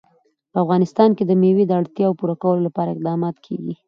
په افغانستان کې د مېوې د اړتیاوو پوره کولو لپاره اقدامات کېږي.